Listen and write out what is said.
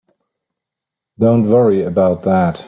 Don't worry about that.